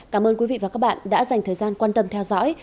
cảm ơn quý vị và các bạn đã dành thời gian quan tâm theo dõi